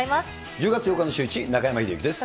１０月８日のシューイチ、中山秀征です。